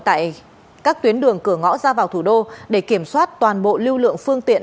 tại các tuyến đường cửa ngõ ra vào thủ đô để kiểm soát toàn bộ lưu lượng phương tiện